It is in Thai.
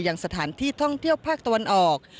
ยังสถานที่ท่องเที่ยวภาคตะวันออก